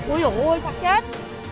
ui dồi ôi sắp chết